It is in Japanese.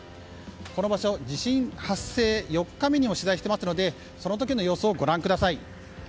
この場所、地震発生４日目にも取材していますのでその時の様子をご覧ください。